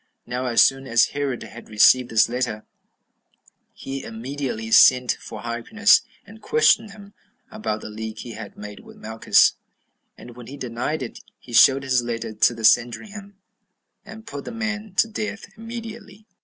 Now as soon as Herod had received this letter, he immediately sent for Hyrcanus, and questioned him about the league he had made with Malchus; and when he denied it, he showed his letter to the Sanhedrim, and put the man to death immediately.